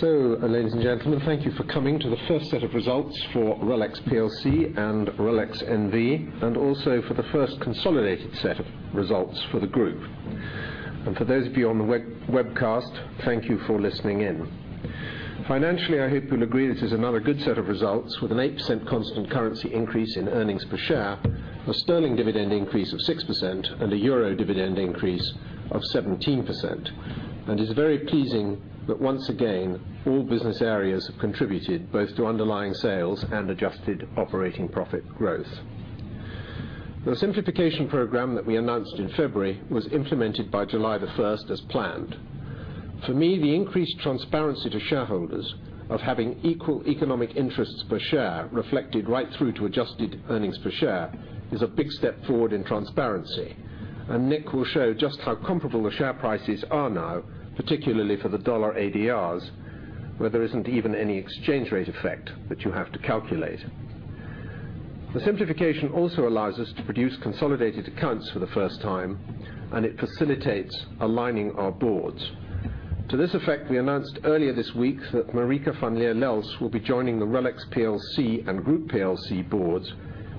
Ladies and gentlemen, thank you for coming to the first set of results for RELX PLC and RELX NV, also for the first consolidated set of results for the Group. For those of you on the webcast, thank you for listening in. Financially, I hope you'll agree this is another good set of results, with an 8% constant currency increase in earnings per share, a sterling dividend increase of 6% and a EUR dividend increase of 17%. It's very pleasing that once again, all business areas have contributed both to underlying sales and adjusted operating profit growth. The simplification program that we announced in February was implemented by July 1st as planned. For me, the increased transparency to shareholders of having equal economic interests per share reflected right through to adjusted earnings per share is a big step forward in transparency. Nick will show just how comparable the share prices are now, particularly for the USD ADRs, where there isn't even any exchange rate effect that you have to calculate. The simplification also allows us to produce consolidated accounts for the first time. It facilitates aligning our boards. To this effect, we announced earlier this week that Marike van Lier Lels will be joining the RELX PLC and Group plc boards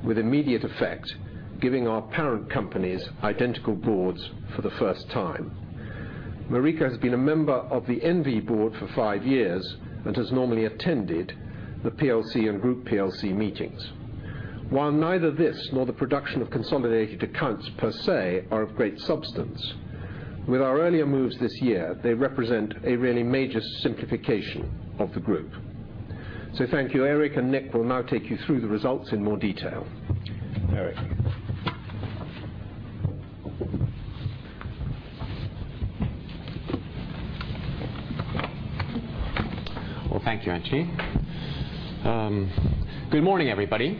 with immediate effect, giving our parent companies identical boards for the first time. Marike has been a member of the NV board for five years and has normally attended the PLC and Group plc meetings. While neither this nor the production of consolidated accounts per se are of great substance, with our earlier moves this year, they represent a really major simplification of the group. Thank you. Erik and Nick will now take you through the results in more detail. Erik. Thank you, Anthony. Good morning, everybody.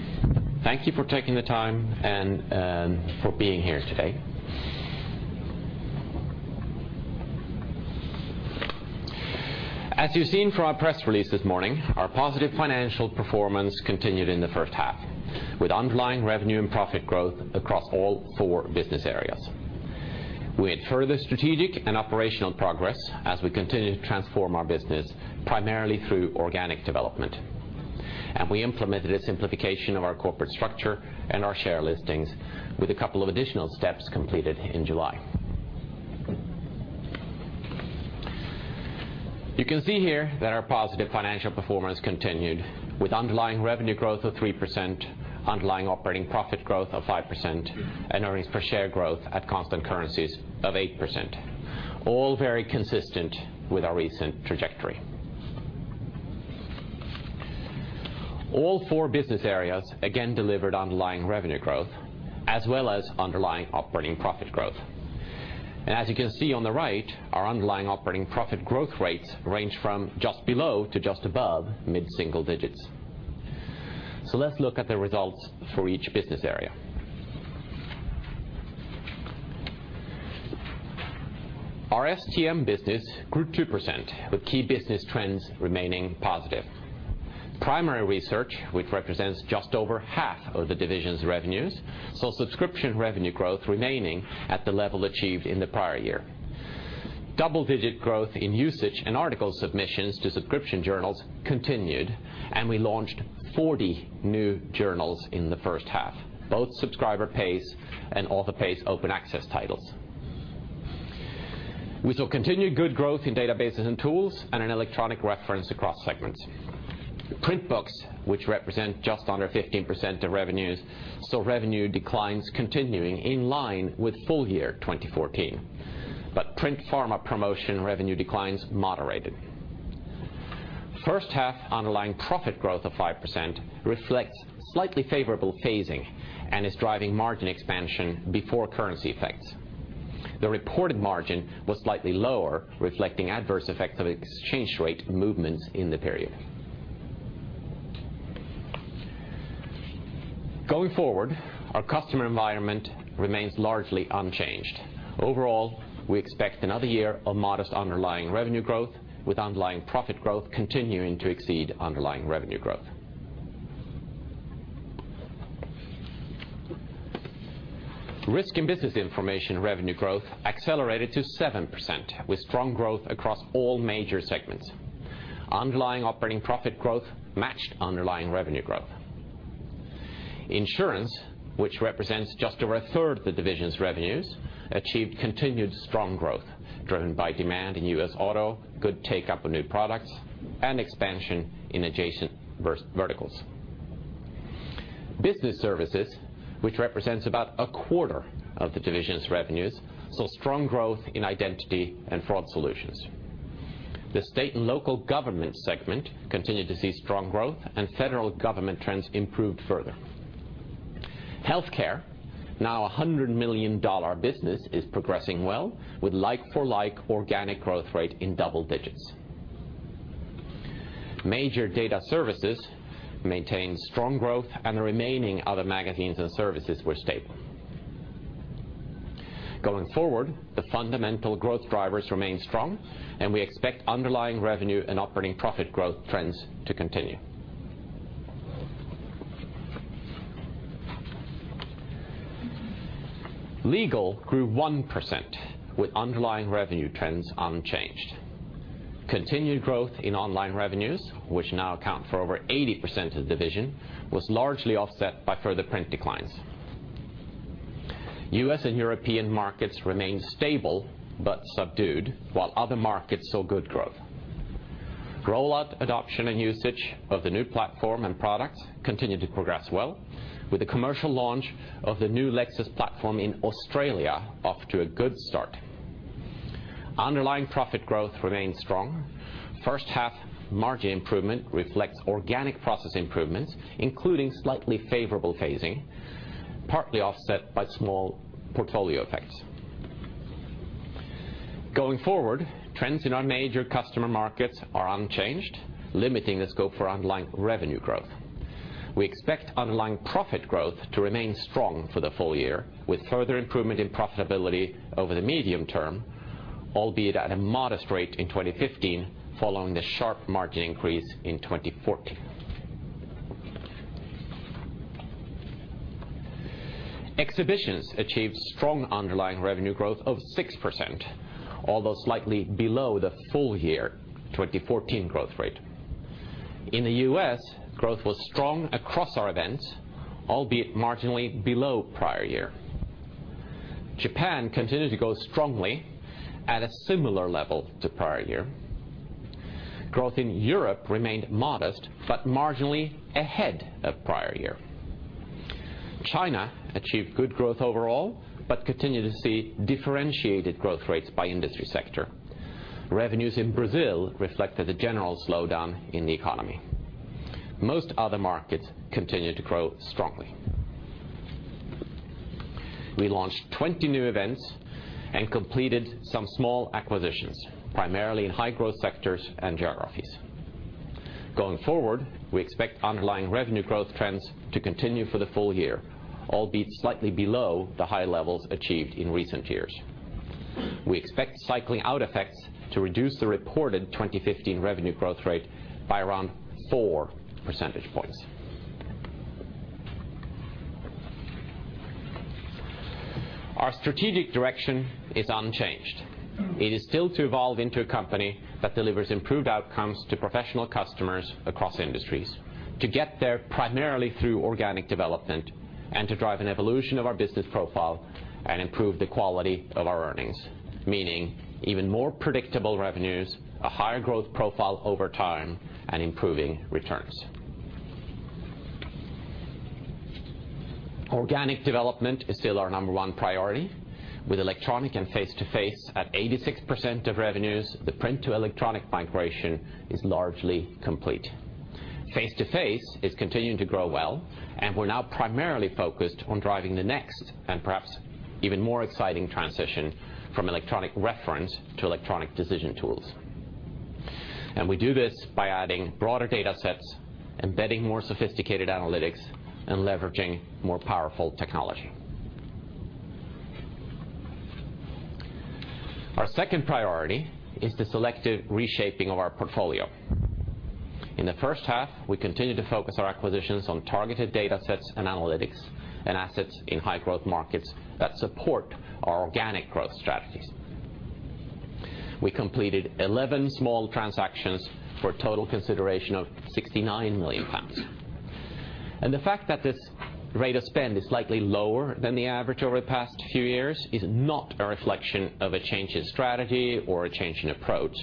Thank you for taking the time and for being here today. As you've seen from our press release this morning, our positive financial performance continued in the first half, with underlying revenue and profit growth across all four business areas. We had further strategic and operational progress as we continue to transform our business primarily through organic development. We implemented a simplification of our corporate structure and our share listings with a couple of additional steps completed in July. You can see here that our positive financial performance continued with underlying revenue growth of 3%, underlying operating profit growth of 5%, and earnings per share growth at constant currencies of 8%, all very consistent with our recent trajectory. All four business areas again delivered underlying revenue growth as well as underlying operating profit growth. As you can see on the right, our underlying operating profit growth rates range from just below to just above mid-single digits. Let's look at the results for each business area. Our STM business grew 2% with key business trends remaining positive. Primary research, which represents just over half of the division's revenues, saw subscription revenue growth remaining at the level achieved in the prior year. Double-digit growth in usage and article submissions to subscription journals continued, and we launched 40 new journals in the first half, both subscriber-pays and author-pays open access titles. We saw continued good growth in databases and tools and in electronic reference across segments. Print books, which represent just under 15% of revenues, saw revenue declines continuing in line with full year 2014. Print pharma promotion revenue declines moderated. First half underlying profit growth of 5% reflects slightly favorable phasing and is driving margin expansion before currency effects. The reported margin was slightly lower, reflecting adverse effects of exchange rate movements in the period. Going forward, our customer environment remains largely unchanged. Overall, we expect another year of modest underlying revenue growth, with underlying profit growth continuing to exceed underlying revenue growth. Risk and business information revenue growth accelerated to 7%, with strong growth across all major segments. Underlying operating profit growth matched underlying revenue growth. Insurance, which represents just over a third of the division's revenues, achieved continued strong growth driven by demand in U.S. auto, good take-up of new products, and expansion in adjacent verticals. Business services, which represents about a quarter of the division's revenues, saw strong growth in identity and fraud solutions. The state and local government segment continued to see strong growth, federal government trends improved further. Healthcare, now a GBP 100 million business, is progressing well with like-for-like organic growth rate in double digits. Major data services maintained strong growth, the remaining other magazines and services were stable. Going forward, the fundamental growth drivers remain strong, we expect underlying revenue and operating profit growth trends to continue. Legal grew 1%, with underlying revenue trends unchanged. Continued growth in online revenues, which now account for over 80% of the division, was largely offset by further print declines. U.S. and European markets remained stable but subdued, while other markets saw good growth. Rollout adoption and usage of the new platform and products continued to progress well, with the commercial launch of the new Lexis platform in Australia off to a good start. Underlying profit growth remained strong. First half margin improvement reflects organic process improvements, including slightly favorable phasing, partly offset by small portfolio effects. Going forward, trends in our major customer markets are unchanged, limiting the scope for underlying revenue growth. We expect underlying profit growth to remain strong for the full year, with further improvement in profitability over the medium term, albeit at a modest rate in 2015, following the sharp margin increase in 2014. Exhibitions achieved strong underlying revenue growth of 6%, although slightly below the full year 2014 growth rate. In the U.S., growth was strong across our events, albeit marginally below prior year. Japan continued to grow strongly at a similar level to prior year. Growth in Europe remained modest, marginally ahead of prior year. China achieved good growth overall, continued to see differentiated growth rates by industry sector. Revenues in Brazil reflected the general slowdown in the economy. Most other markets continued to grow strongly. We launched 20 new events and completed some small acquisitions, primarily in high-growth sectors and geographies. Going forward, we expect underlying revenue growth trends to continue for the full year, albeit slightly below the high levels achieved in recent years. We expect cycling out effects to reduce the reported 2015 revenue growth rate by around four percentage points. Our strategic direction is unchanged. It is still to evolve into a company that delivers improved outcomes to professional customers across industries, to get there primarily through organic development, and to drive an evolution of our business profile and improve the quality of our earnings, meaning even more predictable revenues, a higher growth profile over time, and improving returns. Organic development is still our number one priority. With electronic and face-to-face at 86% of revenues, the print-to-electronic migration is largely complete. Face-to-face is continuing to grow well. We're now primarily focused on driving the next, and perhaps even more exciting transition from electronic reference to electronic decision tools. We do this by adding broader data sets, embedding more sophisticated analytics, and leveraging more powerful technology. Our second priority is the selective reshaping of our portfolio. In the first half, we continued to focus our acquisitions on targeted data sets and analytics, and assets in high-growth markets that support our organic growth strategies. We completed 11 small transactions for a total consideration of 69 million pounds. The fact that this rate of spend is slightly lower than the average over the past few years is not a reflection of a change in strategy or a change in approach,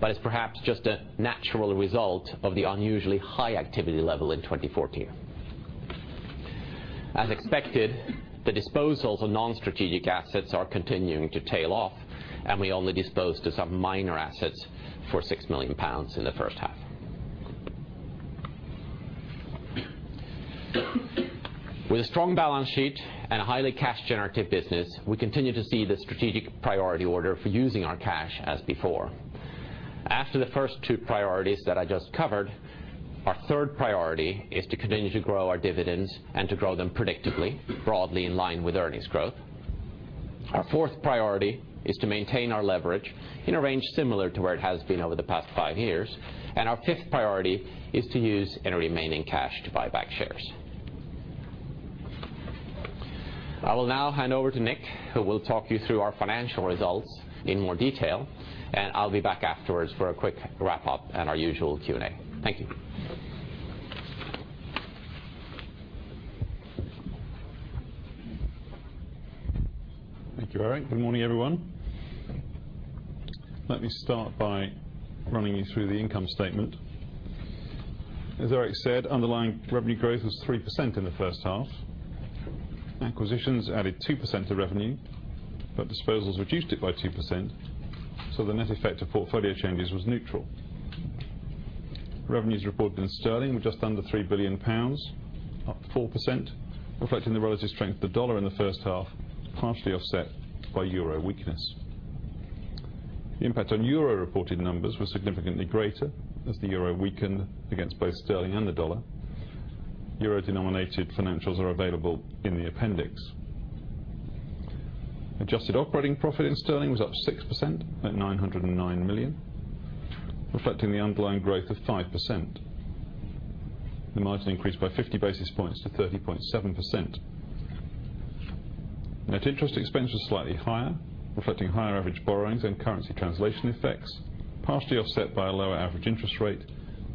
but is perhaps just a natural result of the unusually high activity level in 2014. As expected, the disposals of non-strategic assets are continuing to tail off. We only disposed of some minor assets for 6 million pounds in the first half. With a strong balance sheet and a highly cash-generative business, we continue to see the strategic priority order for using our cash as before. After the first two priorities that I just covered, our third priority is to continue to grow our dividends and to grow them predictably, broadly in line with earnings growth. Our fourth priority is to maintain our leverage in a range similar to where it has been over the past five years. Our fifth priority is to use any remaining cash to buy back shares. I will now hand over to Nick, who will talk you through our financial results in more detail, and I'll be back afterwards for a quick wrap-up and our usual Q&A. Thank you. Thank you, Erik. Good morning, everyone. Let me start by running you through the income statement. As Erik said, underlying revenue growth was 3% in the first half. Acquisitions added 2% to revenue, but disposals reduced it by 2%, so the net effect of portfolio changes was neutral. Revenues reported in sterling were just under 3 billion pounds, up 4%, reflecting the relative strength of the dollar in the first half, partially offset by euro weakness. The impact on euro-reported numbers was significantly greater as the euro weakened against both sterling and the dollar. Euro-denominated financials are available in the appendix. Adjusted operating profit in sterling was up 6% at 909 million, reflecting the underlying growth of 5%. The margin increased by 50 basis points to 30.7%. Net interest expense was slightly higher, reflecting higher average borrowings and currency translation effects, partially offset by a lower average interest rate,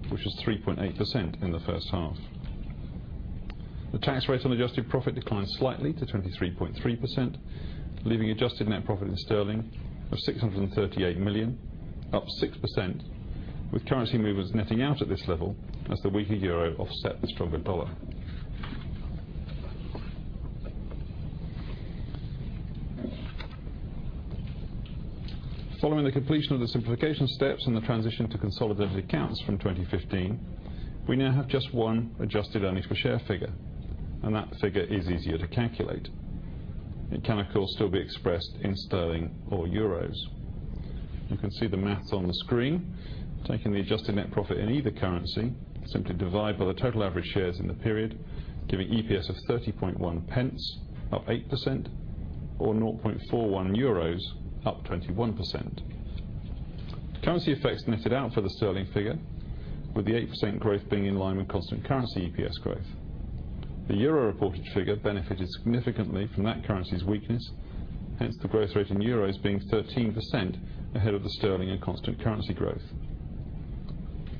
which was 3.8% in the first half. The tax rate on adjusted profit declined slightly to 23.3%, leaving adjusted net profit in 638 million sterling, up 6%, with currency movements netting out at this level as the weaker euro offset the stronger dollar. Following the completion of the simplification steps and the transition to consolidated accounts from 2015, we now have just one adjusted earnings per share figure, and that figure is easier to calculate. It can, of course, still be expressed in sterling or euros. You can see the math on the screen. Taking the adjusted net profit in either currency, simply divide by the total average shares in the period, giving EPS of 0.301, up 8%, or 0.41 euros, up 21%. Currency effects netted out for the sterling figure, with the 8% growth being in line with constant currency EPS growth. The euro-reported figure benefited significantly from that currency's weakness, hence the growth rate in euros being 13% ahead of the sterling and constant currency growth.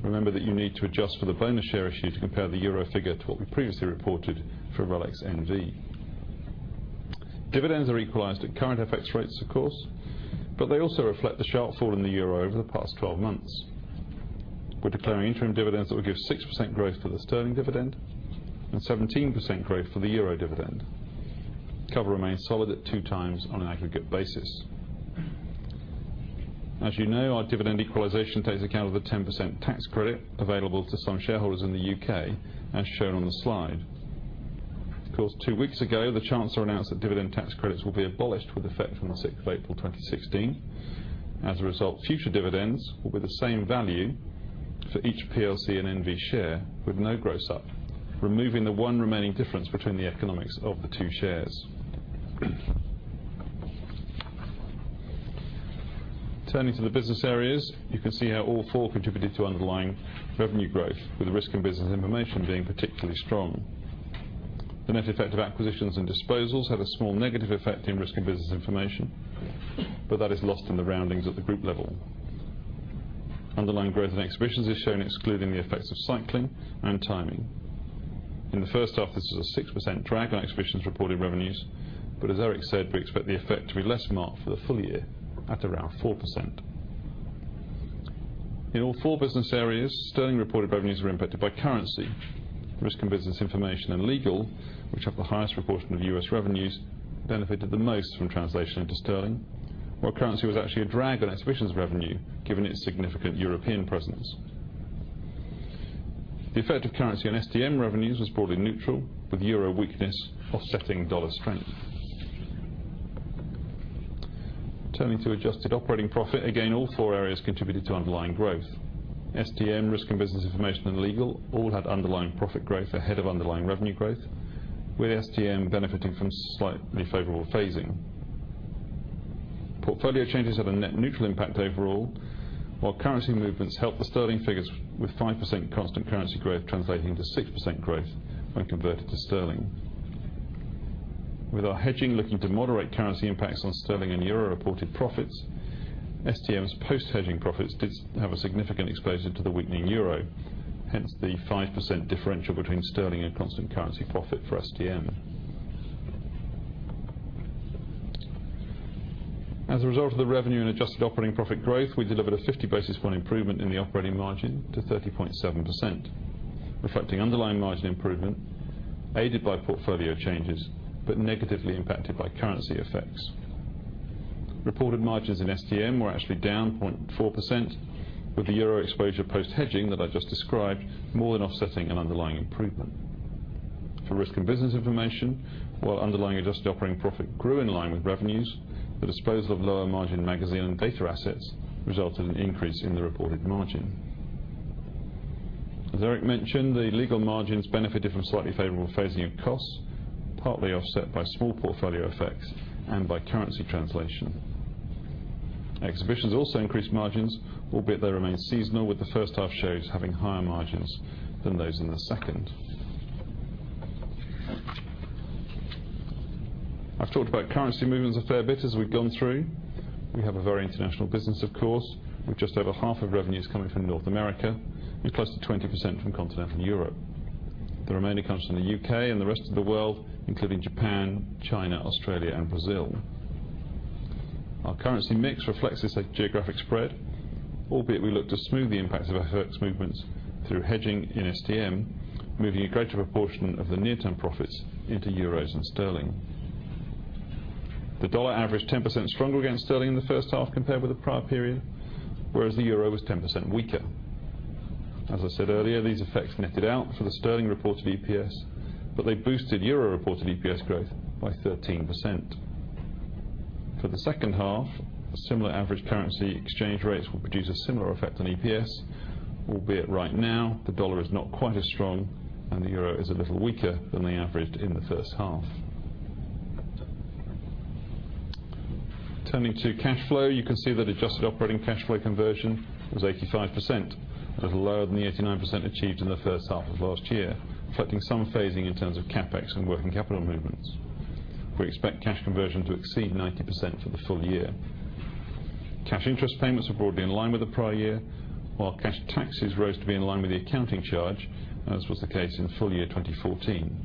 Remember that you need to adjust for the bonus share issue to compare the euro figure to what we previously reported for RELX NV. Dividends are equalized at current FX rates, of course, but they also reflect the sharp fall in the euro over the past 12 months. We are declaring interim dividends that will give 6% growth for the sterling dividend and 17% growth for the euro dividend. Cover remains solid at two times on an aggregate basis. As you know, our dividend equalization takes account of the 10% tax credit available to some shareholders in the U.K., as shown on the slide. Of course, two weeks ago, the Chancellor announced that dividend tax credits will be abolished with effect from the 6th of April 2016. As a result, future dividends will be the same value for each PLC and NV share, with no gross up, removing the one remaining difference between the economics of the two shares. Turning to the business areas, you can see how all four contributed to underlying revenue growth, with the Reed Business Information being particularly strong. The net effect of acquisitions and disposals had a small negative effect in Reed Business Information, but that is lost in the roundings at the group level. Underlying growth in Reed Exhibitions is shown excluding the effects of cycling and timing. In the first half, this was a 6% drag on Reed Exhibitions reported revenues, but as Erik said, we expect the effect to be less marked for the full year, at around 4%. In all four business areas, sterling reported revenues were impacted by currency. Reed Business Information and Legal, which have the highest proportion of U.S. revenues, benefited the most from translation into sterling. While currency was actually a drag on Reed Exhibitions revenue, given its significant European presence. The effect of currency on STM revenues was broadly neutral, with euro weakness offsetting dollar strength. Turning to adjusted operating profit, again, all four areas contributed to underlying growth. STM, Reed Business Information and Legal all had underlying profit growth ahead of underlying revenue growth, with STM benefiting from slightly favorable phasing. Portfolio changes had a net neutral impact overall, while currency movements helped the sterling figures with 5% constant currency growth translating to 6% growth when converted to sterling. With our hedging looking to moderate currency impacts on sterling and euro-reported profits, STM's post-hedging profits did have a significant exposure to the weakening euro, hence the 5% differential between sterling and constant currency profit for STM. As a result of the revenue and adjusted operating profit growth, we delivered a 50 basis point improvement in the operating margin to 30.7%, reflecting underlying margin improvement, aided by portfolio changes but negatively impacted by currency effects. Reported margins in STM were actually down 0.4%, with the euro exposure post-hedging that I just described more than offsetting an underlying improvement. For risk and business information while underlying adjusted operating profit grew in line with revenues, the disposal of lower margin magazine and data assets resulted in an increase in the reported margin. As Erik mentioned, the legal margins benefited from slightly favorable phasing of costs, partly offset by small portfolio effects and by currency translation. Exhibitions also increased margins, albeit they remain seasonal, with the first half shows having higher margins than those in the second. I've talked about currency movements a fair bit as we've gone through. We have a very international business, of course, with just over half of revenues coming from North America and close to 20% from continental Europe. The remaining comes from the U.K. and the rest of the world, including Japan, China, Australia, and Brazil. Our currency mix reflects this geographic spread, albeit we look to smooth the impact of FX movements through hedging in STM, moving a greater proportion of the near-term profits into euros and sterling. The dollar averaged 10% stronger against sterling in the first half compared with the prior period, whereas the euro was 10% weaker. As I said earlier, these effects netted out for the sterling reported EPS, but they boosted euro-reported EPS growth by 13%. For the second half, similar average currency exchange rates will produce a similar effect on EPS, albeit right now, the dollar is not quite as strong and the euro is a little weaker than they averaged in the first half. Turning to cash flow, you can see that adjusted operating cash flow conversion was 85%, a little lower than the 89% achieved in the first half of last year, reflecting some phasing in terms of CapEx and working capital movements. We expect cash conversion to exceed 90% for the full year. Cash interest payments were broadly in line with the prior year, while cash taxes rose to be in line with the accounting charge, as was the case in full year 2014.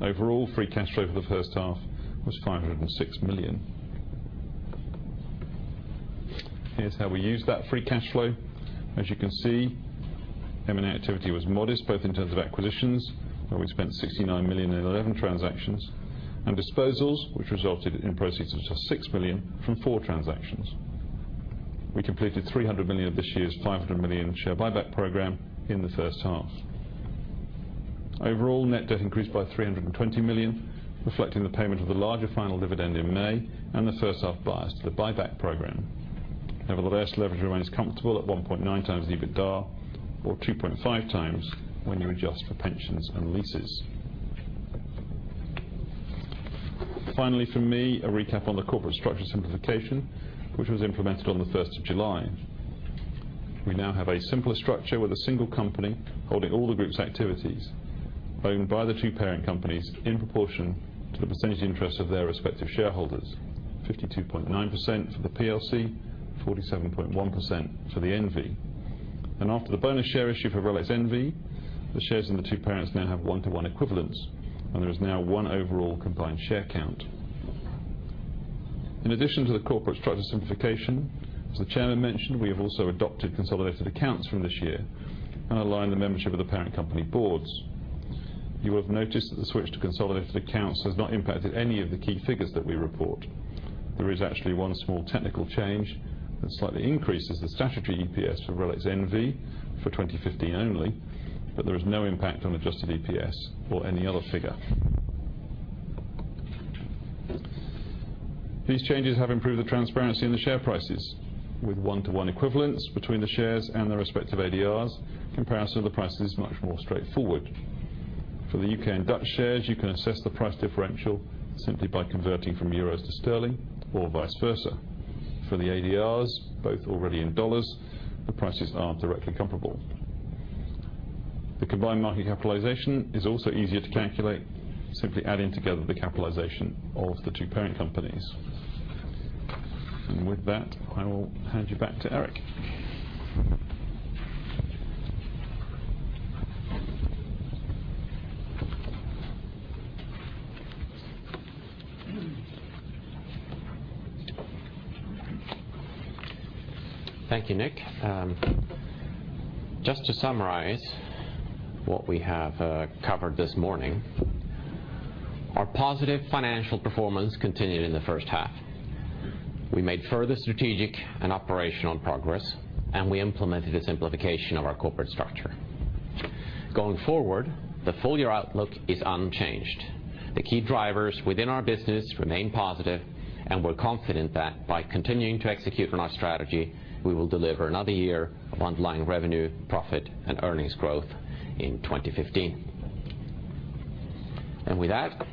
Overall, free cash flow for the first half was 506 million. Here's how we used that free cash flow. As you can see, M&A activity was modest, both in terms of acquisitions, where we spent 69 million in 11 transactions, and disposals, which resulted in proceeds of just 6 million from four transactions. We completed 300 million of this year's 500 million share buyback program in the first half. Overall, net debt increased by 320 million, reflecting the payment of the larger final dividend in May and the first half bias to the buyback program. Nevertheless, leverage remains comfortable at 1.9 times the EBITDA, or 2.5 times when you adjust for pensions and leases. Finally, from me, a recap on the corporate structure simplification, which was implemented on the 1st of July. We now have a simpler structure with a single company holding all the group's activities, owned by the two parent companies in proportion to the percentage interest of their respective shareholders, 52.9% for the PLC, 47.1% for the NV. After the bonus share issue for RELX NV, the shares in the two parents now have one-to-one equivalence, and there is now one overall combined share count. In addition to the corporate structure simplification, as the Chairman mentioned, we have also adopted consolidated accounts from this year and aligned the membership of the parent company boards. You will have noticed that the switch to consolidated accounts has not impacted any of the key figures that we report. There is actually one small technical change that slightly increases the statutory EPS for RELX NV for 2015 only, but there is no impact on adjusted EPS or any other figure. These changes have improved the transparency in the share prices. With one-to-one equivalence between the shares and their respective ADRs, comparison of the price is much more straightforward. For the U.K. and Dutch shares, you can assess the price differential simply by converting from euros to sterling or vice versa. For the ADRs, both already in dollars, the prices are directly comparable. The combined market capitalization is also easier to calculate, simply adding together the capitalization of the two parent companies. With that, I will hand you back to Erik. Thank you, Nick. Just to summarize what we have covered this morning, our positive financial performance continued in the first half. We made further strategic and operational progress, we implemented the simplification of our corporate structure. Going forward, the full-year outlook is unchanged. The key drivers within our business remain positive, we're confident that by continuing to execute on our strategy, we will deliver another year of underlying revenue, profit, and earnings growth in 2015. With that,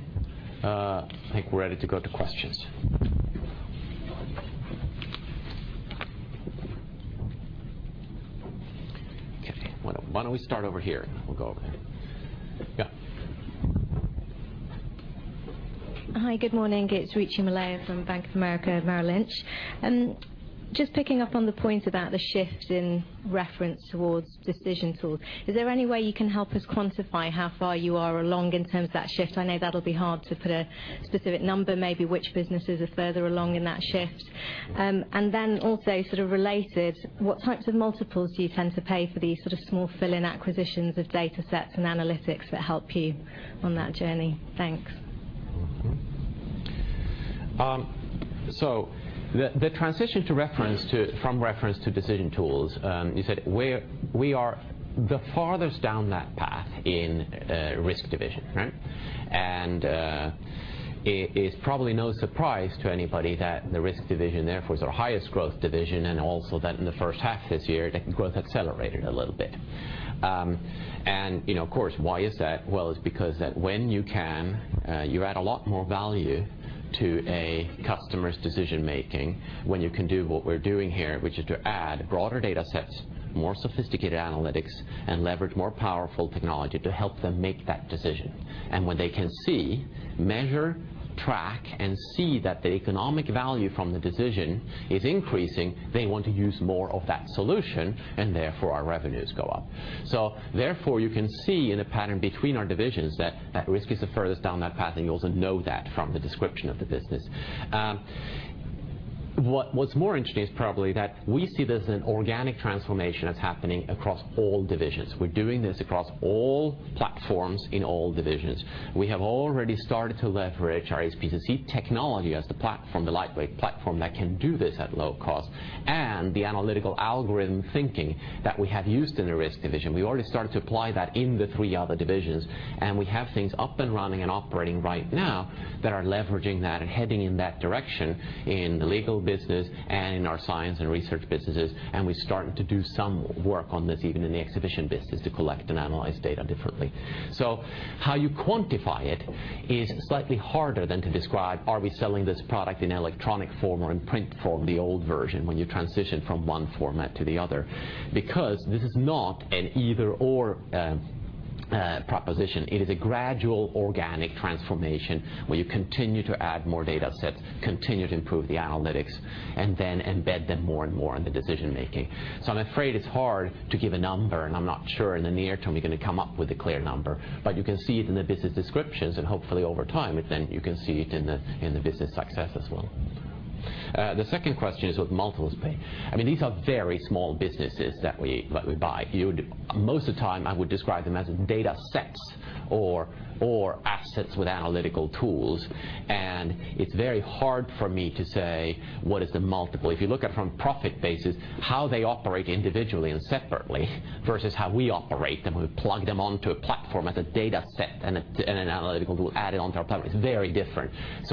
I think we're ready to go to questions. Okay. Why don't we start over here? We'll go over here. Yeah. Hi, good morning. It's Ruchi Malaiya from Bank of America Merrill Lynch. Just picking up on the point about the shift in reference towards decision tools, is there any way you can help us quantify how far you are along in terms of that shift? I know that'll be hard to put a specific number, maybe which businesses are further along in that shift. Then also sort of related, what types of multiples do you tend to pay for these sort of small fill-in acquisitions of data sets and analytics that help you on that journey? Thanks. The transition from reference to decision tools, you said we are the farthest down that path in Risk division, right? It is probably no surprise to anybody that the Risk division, therefore, is our highest growth division, also that in the first half this year, that growth accelerated a little bit. Of course, why is that? Well, it's because that when you can, you add a lot more value to a customer's decision-making when you can do what we're doing here, which is to add broader data sets, more sophisticated analytics, and leverage more powerful technology to help them make that decision. When they can see, measure, track, and see that the economic value from the decision is increasing, they want to use more of that solution, and therefore, our revenues go up. Therefore, you can see in a pattern between our divisions that Risk is the furthest down that path, and you also know that from the description of the business. What's more interesting is probably that we see this as an organic transformation that's happening across all divisions. We're doing this across all platforms in all divisions. We have already started to leverage our HPCC technology as the platform, the lightweight platform that can do this at low cost, and the analytical algorithm thinking that we have used in the Risk division. We already started to apply that in the three other divisions. We have things up and running and operating right now that are leveraging that and heading in that direction in the Legal business and in our Science and Research businesses, and we started to do some work on this even in the Exhibition business to collect and analyze data differently. How you quantify it is slightly harder than to describe are we selling this product in electronic form or in print form, the old version, when you transition from one format to the other. This is not an either/or proposition. It is a gradual organic transformation where you continue to add more data sets, continue to improve the analytics, and then embed them more and more in the decision making. I'm afraid it's hard to give a number, I'm not sure in the near term you're going to come up with a clear number. You can see it in the business descriptions and hopefully over time, you can see it in the business success as well. The second question is with multiples. These are very small businesses that we buy. Most of the time I would describe them as data sets or assets with analytical tools, and it's very hard for me to say what is the multiple. If you look at it from profit basis, how they operate individually and separately versus how we operate them, we plug them onto a platform as a data set and an analytical tool added onto our platform. It's very different.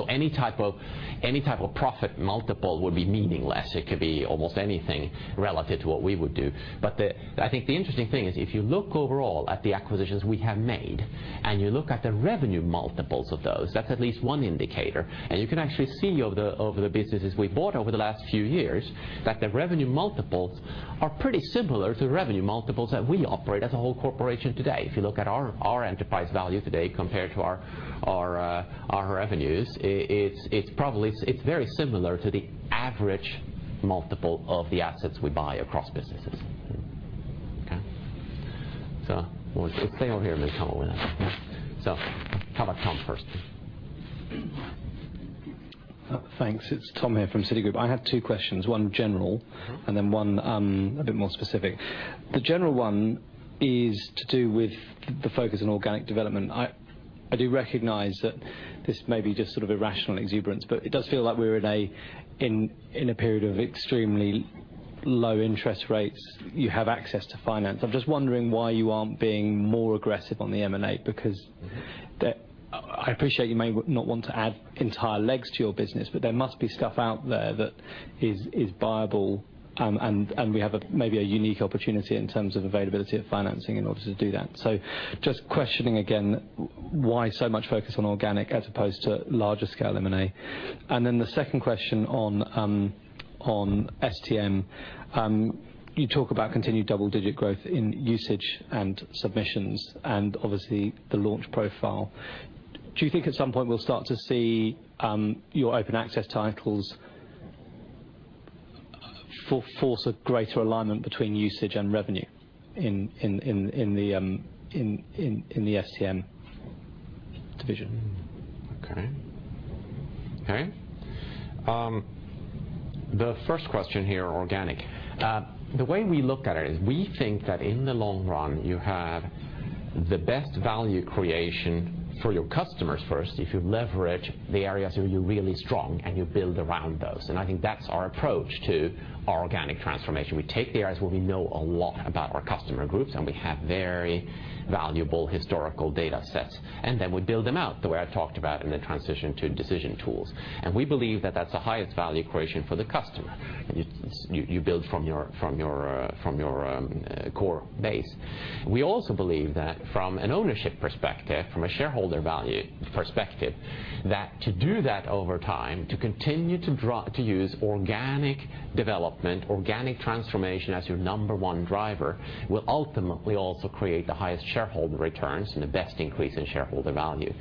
Any type of profit multiple would be meaningless. It could be almost anything relative to what we would do. I think the interesting thing is if you look overall at the acquisitions we have made, you look at the revenue multiples of those, that's at least one indicator. You can actually see over the businesses we've bought over the last few years, that the revenue multiples are pretty similar to the revenue multiples that we operate as a whole corporation today. If you look at our enterprise value today compared to our revenues, it's very similar to the average multiple of the assets we buy across businesses. Okay. We'll stay over here, Ms. Hall, a minute. Yeah. How about Tom first? Thanks. It's Tom here from Citigroup. I had two questions, one general- one a bit more specific. The general one is to do with the focus on organic development. I do recognize that this may be just sort of irrational exuberance, it does feel like we're in a period of extremely low interest rates. You have access to finance. I'm just wondering why you aren't being more aggressive on the M&A because I appreciate you may not want to add entire legs to your business, there must be stuff out there that is buyable and we have maybe a unique opportunity in terms of availability of financing in order to do that. Just questioning again, why so much focus on organic as opposed to larger scale M&A? The second question on STM. You talk about continued double-digit growth in usage and submissions, and obviously the launch profile. Do you think at some point we'll start to see your open access titles force a greater alignment between usage and revenue in the STM division? Okay. The first question here, organic. The way we look at it is we think that in the long run, you have the best value creation for your customers first if you leverage the areas where you're really strong and you build around those. I think that's our approach to our organic transformation. We take the areas where we know a lot about our customer groups, and we have very valuable historical data sets, then we build them out the way I talked about in the transition to decision tools. We believe that that's the highest value creation for the customer. You build from your core base. We also believe that from an ownership perspective, from a shareholder value perspective, that to do that over time, to continue to use organic development, organic transformation as your number 1 driver, will ultimately also create the highest shareholder returns and the best increase in shareholder value.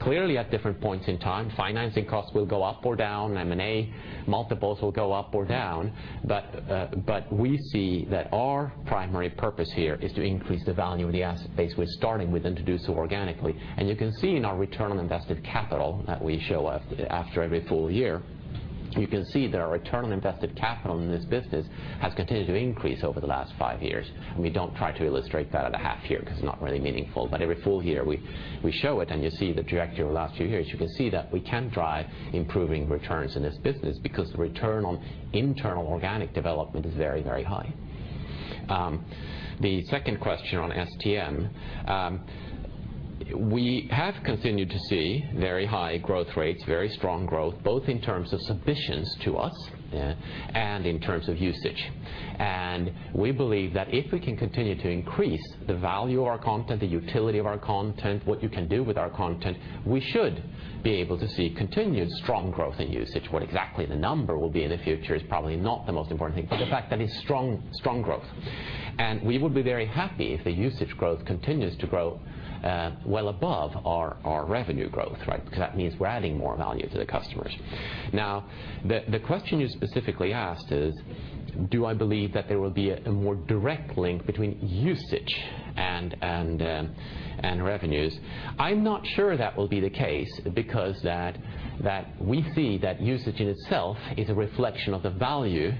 Clearly, at different points in time, financing costs will go up or down, M&A multiples will go up or down. We see that our primary purpose here is to increase the value of the asset base we're starting with and to do so organically. You can see in our return on invested capital that we show after every full year, you can see that our return on invested capital in this business has continued to increase over the last five years. We don't try to illustrate that at a half year because it's not really meaningful. Every full year we show it, and you see the trajectory over the last few years. You can see that we can drive improving returns in this business because the return on internal organic development is very, very high. The second question on STM. We have continued to see very high growth rates, very strong growth, both in terms of submissions to us, yeah, and in terms of usage. We believe that if we can continue to increase the value of our content, the utility of our content, what you can do with our content, we should be able to see continued strong growth in usage. What exactly the number will be in the future is probably not the most important thing, but the fact that it's strong growth. We would be very happy if the usage growth continues to grow well above our revenue growth, right? That means we're adding more value to the customers. The question you specifically asked is, do I believe that there will be a more direct link between usage and revenues? I'm not sure that will be the case because we see that usage in itself is a reflection of the value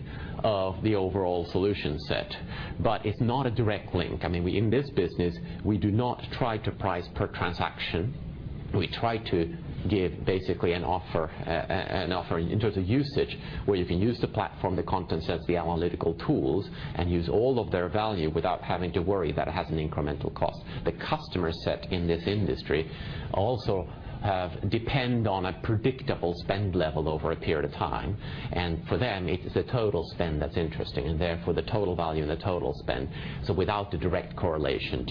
of the overall solution set, but it's not a direct link. In this business, we do not try to price per transaction. We try to give basically an offer in terms of usage where you can use the platform, the content sets, the analytical tools, and use all of their value without having to worry that it has an incremental cost. The customer set in this industry also depend on a predictable spend level over a period of time. For them, it is the total spend that's interesting, and therefore, the total value and the total spend. Without the direct correlation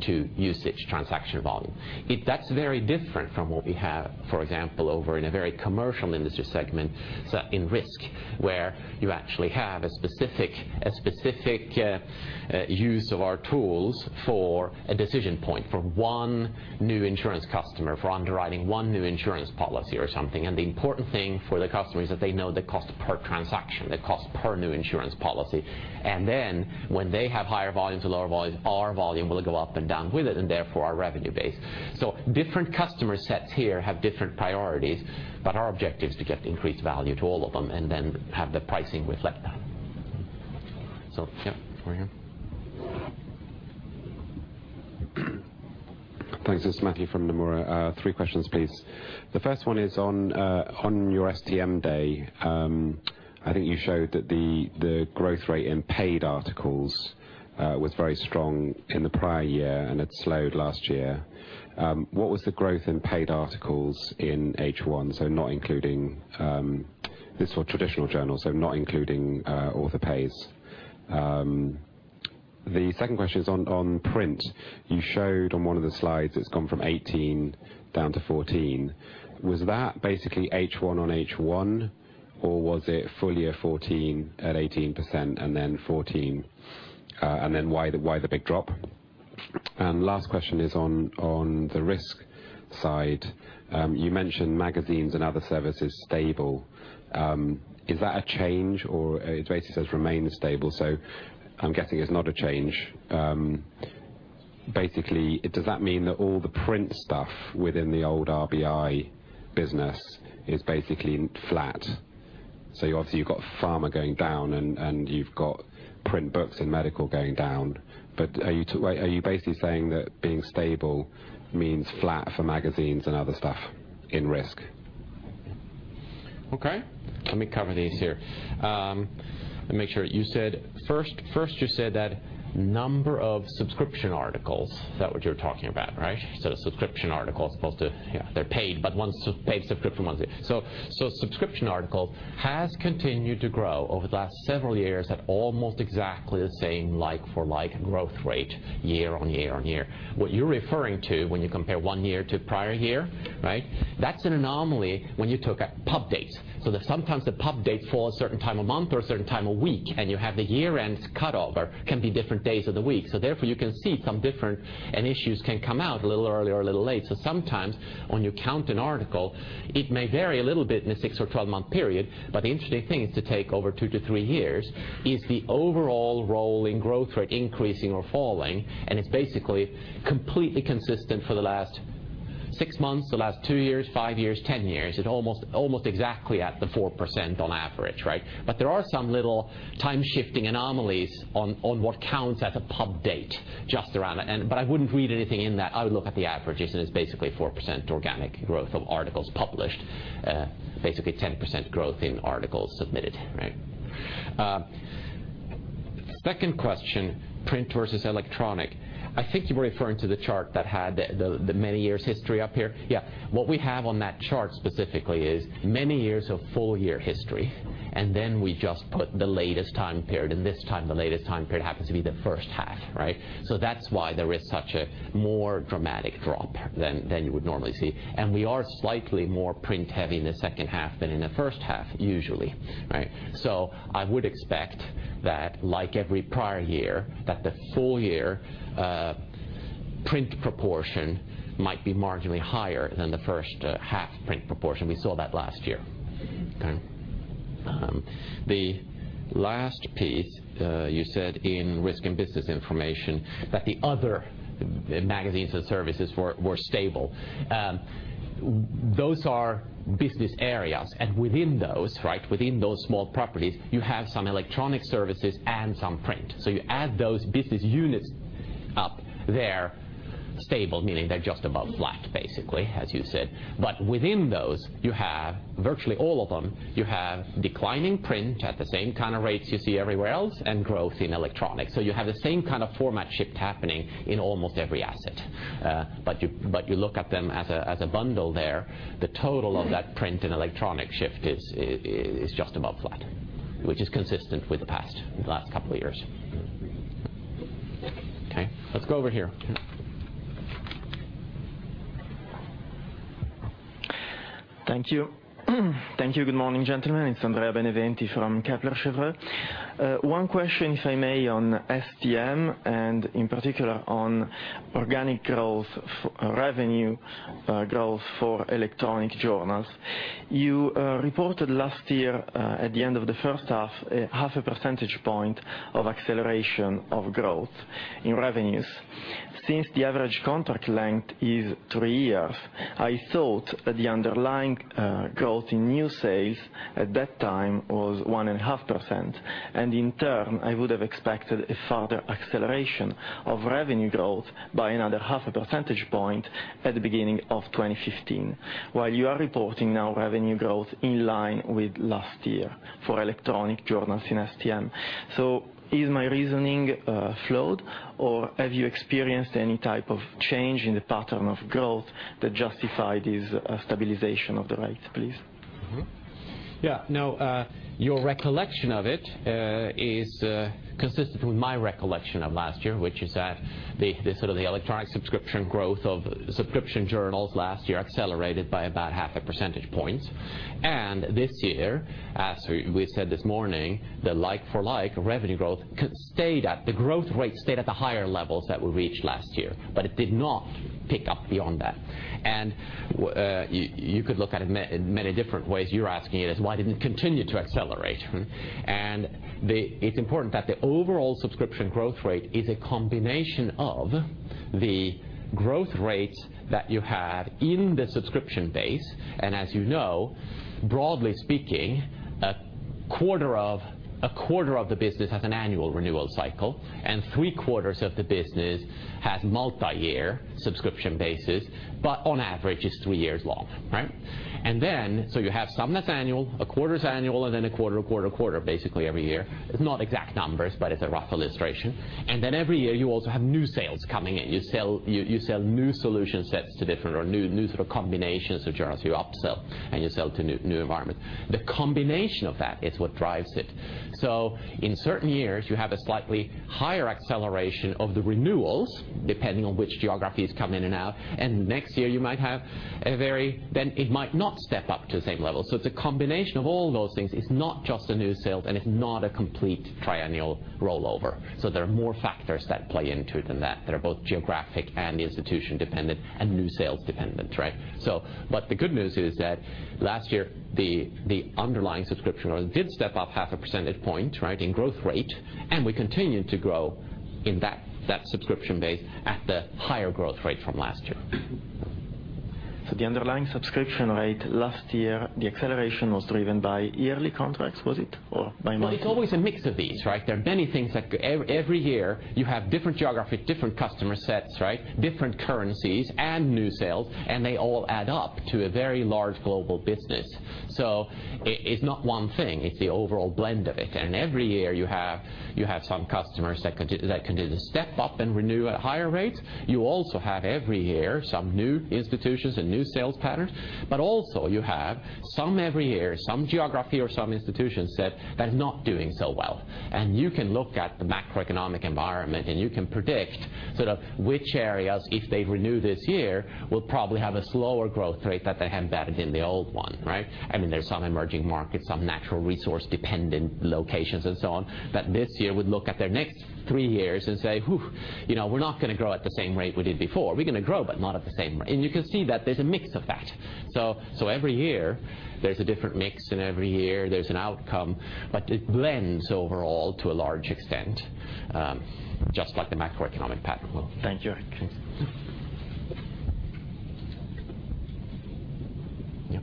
to usage transaction volume. That's very different from what we have, for example, over in a very commercial industry segment, in Risk, where you actually have a specific use of our tools for a decision point for one new insurance customer, for underwriting one new insurance policy or something. The important thing for the customer is that they know the cost per transaction, the cost per new insurance policy. Then when they have higher volumes or lower volumes, our volume will go up and down with it, and therefore, our revenue base. Different customer sets here have different priorities, but our objective is to get increased value to all of them and then have the pricing reflect that. Yeah, over here. Thanks. It's Matthew from Nomura. 3 questions, please. The first one is on your STM day. I think you showed that the growth rate in paid articles was very strong in the prior year and had slowed last year. What was the growth in paid articles in H1? This is for traditional journals, not including author pays. The second question is on print. You showed on one of the slides, it's gone from 18% down to 14%. Was that basically H1 on H1, or was it full year 2014 at 18% and then 14%, and then why the big drop? Last question is on the Risk side. You mentioned magazines and other services stable. Is that a change, or it basically says remain stable, so I'm guessing it's not a change. Basically, does that mean that all the print stuff within the old RBI business is basically flat? Obviously, you've got pharma going down, and you've got print books and medical going down. Are you basically saying that being stable means flat for magazines and other stuff in Risk? Okay. Let me cover these here. Let me make sure. First, you said that number of subscription articles, that what you're talking about, right? Subscription articles, they're paid, but paid subscription ones. Subscription articles has continued to grow over the last several years at almost exactly the same like-for-like growth rate year on year on year. What you're referring to when you compare one year to prior year, that's an anomaly when you took pub dates. Sometimes the pub dates fall a certain time of month or a certain time of week, and you have the year-end cut off or can be different days of the week. Therefore, you can see some different, and issues can come out a little early or a little late. Sometimes when you count an article, it may vary a little bit in a six or 12-month period. The interesting thing is to take over two to three years, is the overall rolling growth rate increasing or falling, and it's basically completely consistent for the last six months, the last two years, five years, 10 years, at almost exactly at the 4% on average. There are some little time-shifting anomalies on what counts as a pub date just around it. I wouldn't read anything in that. I would look at the averages, and it's basically 4% organic growth of articles published. Basically, 10% growth in articles submitted. Second question, print versus electronic. I think you were referring to the chart that had the many years history up here. Yeah. What we have on that chart specifically is many years of full year history, and then we just put the latest time period. This time, the latest time period happens to be the first half. That's why there is such a more dramatic drop than you would normally see. We are slightly more print-heavy in the second half than in the first half, usually. I would expect that, like every prior year, that the full year, print proportion might be marginally higher than the first half print proportion. We saw that last year. Okay. The last piece, you said in Reed Business Information that the other magazines and services were stable. Those are business areas, and within those small properties, you have some electronic services and some print. You add those business units up, they're stable, meaning they're just above flat, basically, as you said. Within those, virtually all of them, you have declining print at the same kind of rates you see everywhere else and growth in electronic. You have the same kind of format shift happening in almost every asset. You look at them as a bundle there, the total of that print and electronic shift is just above flat, which is consistent with the past, the last couple of years. Okay, let's go over here. Thank you. Thank you. Good morning, gentlemen. It is Andrea Beneventi from Kepler Cheuvreux. One question, if I may, on STM, and in particular, on organic growth, revenue growth for electronic journals. You reported last year, at the end of the first half a percentage point of acceleration of growth in revenues. Since the average contract length is three years, I thought that the underlying growth in new sales at that time was one and a half percent. In turn, I would have expected a further acceleration of revenue growth by another half a percentage point at the beginning of 2015, while you are reporting now revenue growth in line with last year for electronic journals in STM. Is my reasoning flawed, or have you experienced any type of change in the pattern of growth that justify this stabilization of the rates, please? No, your recollection of it is consistent with my recollection of last year, which is that the electronic subscription growth of subscription journals last year accelerated by about half a percentage point. This year, as we said this morning, the like-for-like revenue growth stayed at the growth rate, stayed at the higher levels that were reached last year, but it did not pick up beyond that. You could look at it many different ways. You are asking it as, why didn't it continue to accelerate? It is important that the overall subscription growth rate is a combination of the growth rates that you had in the subscription base, and as you know, broadly speaking, a quarter of the business has an annual renewal cycle, and three-quarters of the business has multi-year subscription bases, but on average, it is three years long, right? You have some that is annual, a quarter is annual, and then a quarter, a quarter, a quarter, basically every year. It is not exact numbers, but it is a rough illustration. Every year, you also have new sales coming in. You sell new solution sets to different or new sort of combinations of journals. You upsell and you sell to new environments. The combination of that is what drives it. In certain years, you have a slightly higher acceleration of the renewals depending on which geographies come in and out. Next year, you might have. It might not step up to the same level. It is a combination of all those things. It is not just the new sales, and it is not a complete triennial rollover. There are more factors that play into it than that are both geographic and institution-dependent and new sales dependent, right? The good news is that last year, the underlying subscription did step up half a percentage point in growth rate. We continued to grow in that subscription base at the higher growth rate from last year. The underlying subscription rate last year, the acceleration was driven by yearly contracts, was it? Or by monthly? Well, it's always a mix of these, right? There are many things. Every year you have different geographic, different customer sets, right? Different currencies and new sales, they all add up to a very large global business. It's not one thing, it's the overall blend of it. Every year you have some customers that continue to step up and renew at higher rates. You also have every year some new institutions and new sales patterns, but also you have some every year, some geography or some institutions that are not doing so well. You can look at the macroeconomic environment, and you can predict sort of which areas, if they renew this year, will probably have a slower growth rate that they embedded in the old one, right? I mean, there's some emerging markets, some natural resource-dependent locations and so on, that this year would look at their next three years and say, "Oof, we're not going to grow at the same rate we did before. We're going to grow, but not at the same rate." You can see that there's a mix of that. Every year there's a different mix, and every year there's an outcome, but it blends overall to a large extent, just like the macroeconomic pattern will. Thank you, Erik. Yeah.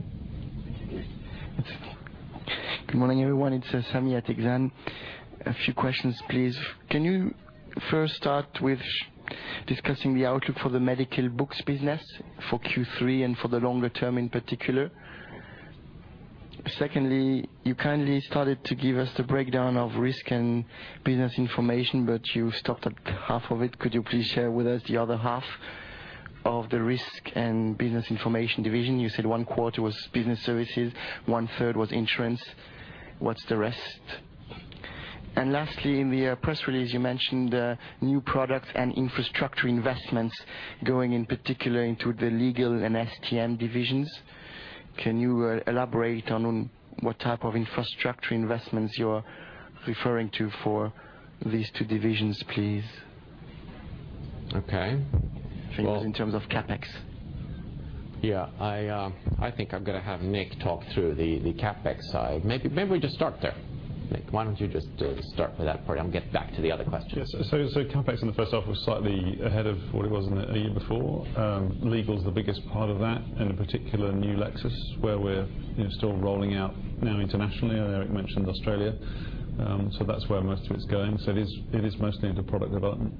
Good morning, everyone. It's Sami at Exane. A few questions, please. Can you first start with discussing the outlook for the medical books business for Q3 and for the longer term in particular? Secondly, you kindly started to give us the breakdown of Reed Business Information, but you stopped at half of it. Could you please share with us the other half of the Reed Business Information division? You said one-quarter was business services, one-third was insurance. What's the rest? Lastly, in the press release, you mentioned new products and infrastructure investments going in particular into the legal and STM divisions. Can you elaborate on what type of infrastructure investments you're referring to for these two divisions, please? Okay. Things in terms of CapEx. Yeah, I think I'm going to have Nick talk through the CapEx side. Maybe we just start there. Nick, why don't you just start with that part? I'll get back to the other questions. Yes. CapEx in the first half was slightly ahead of what it was in a year before. Legal's the biggest part of that, and in particular, new Lexis, where we're still rolling out now internationally, and Erik mentioned Australia. That's where most of it's going. It is mostly into product development.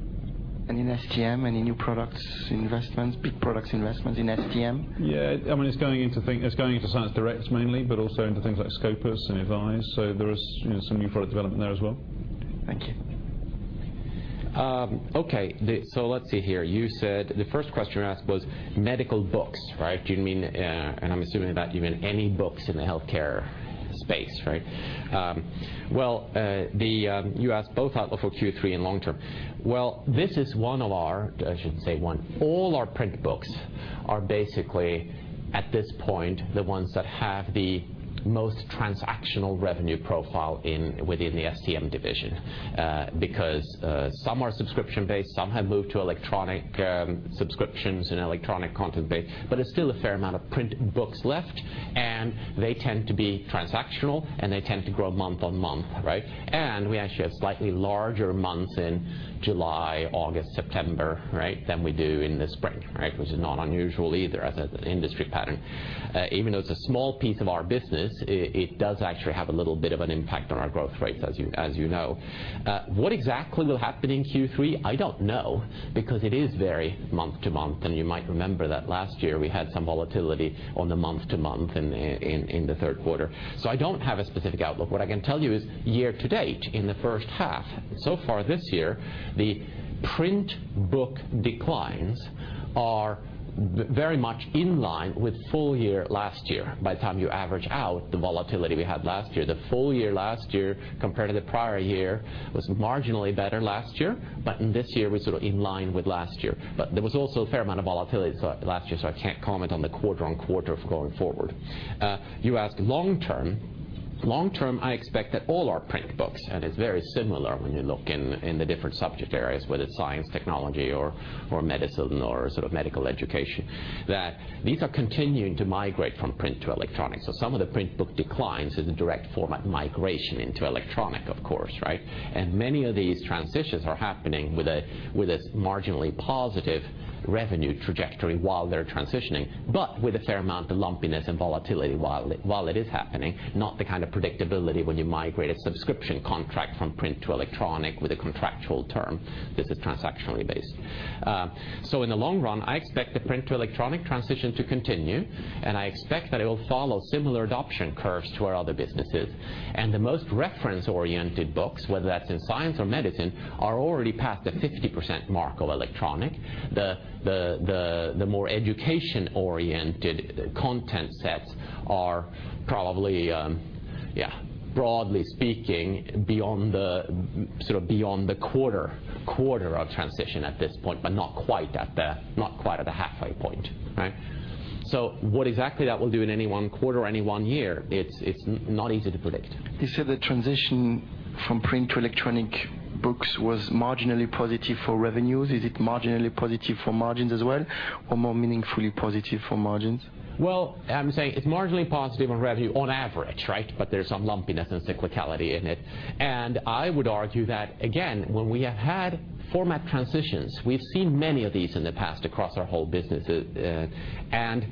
In STM, any new products investments, big products investments in STM? I mean, it's going into ScienceDirect mainly, but also into things like Scopus and Embase. There is some new product development there as well. Thank you. Let's see here. You said the first question you asked was medical books, right? I'm assuming that you mean any books in the healthcare space, right? Well, you asked both outlook for Q3 and long-term. Well, this is one of our, I shouldn't say one, all our print books are basically at this point, the ones that have the most transactional revenue profile within the STM division. Because some are subscription-based, some have moved to electronic subscriptions and electronic content base. There's still a fair amount of print books left, and they tend to be transactional, and they tend to grow month-on-month, right? We actually have slightly larger months in July, August, September than we do in the spring, which is not unusual either as an industry pattern. Even though it's a small piece of our business, it does actually have a little bit of an impact on our growth rates, as you know. What exactly will happen in Q3? I don't know, because it is very month-to-month, and you might remember that last year we had some volatility on the month-to-month in the third quarter. I don't have a specific outlook. What I can tell you is year-to-date, in the first half, so far this year, the print book declines are very much in line with full year last year. By the time you average out the volatility we had last year, the full year last year compared to the prior year was marginally better last year. In this year, we're sort of in line with last year. There was also a fair amount of volatility last year, so I can't comment on the quarter-on-quarter going forward. You asked long-term. Long-term, I expect that all our print books, and it's very similar when you look in the different subject areas, whether it's science, technology or medicine or medical education, that these are continuing to migrate from print to electronic. Some of the print book declines is a direct format migration into electronic, of course. Many of these transitions are happening with a marginally positive revenue trajectory while they're transitioning, but with a fair amount of lumpiness and volatility while it is happening, not the kind of predictability when you migrate a subscription contract from print to electronic with a contractual term. This is transactionally based. In the long run, I expect the print to electronic transition to continue, and I expect that it will follow similar adoption curves to our other businesses. The most reference-oriented books, whether that's in science or medicine, are already past the 50% mark of electronic. The more education-oriented content sets are probably, broadly speaking, beyond the quarter of transition at this point, but not quite at the halfway point. What exactly that will do in any one quarter or any one year, it's not easy to predict. You said the transition from print-to-electronic books was marginally positive for revenues. Is it marginally positive for margins as well, or more meaningfully positive for margins? Well, I'm saying it's marginally positive on revenue on average. There's some lumpiness and cyclicality in it. I would argue that, again, when we have had format transitions, we've seen many of these in the past across our whole businesses, and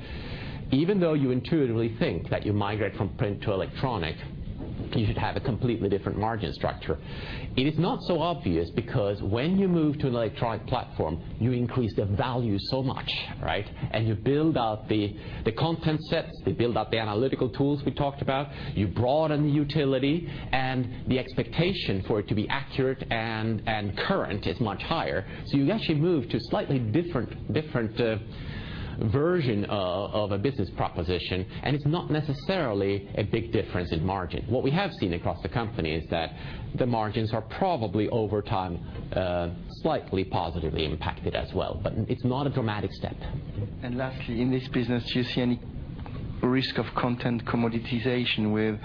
even though you intuitively think that you migrate from print-to-electronic, you should have a completely different margin structure. It is not so obvious because when you move to an electronic platform, you increase the value so much. You build out the content sets, they build out the analytical tools we talked about. You broaden the utility, and the expectation for it to be accurate and current is much higher. You actually move to a slightly different version of a business proposition, and it's not necessarily a big difference in margin. What we have seen across the company is that the margins are probably, over time, slightly positively impacted as well, but it's not a dramatic step. Lastly, in this business, do you see any risk of content commoditization with